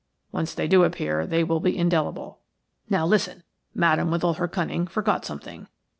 Once they do appear they will be indelible. Now, listen! Madame, with all her cunning, forgot something.